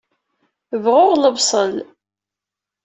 Bɣuɣ lebṣel.